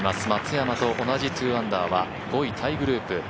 松山と同じ２アンダーは５位タイグループ。